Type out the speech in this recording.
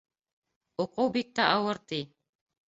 Уҡыу бик тә ауыр, ти.